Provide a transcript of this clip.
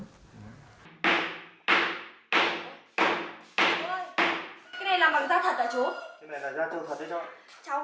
chú ơi cái này làm bằng da thật hả chú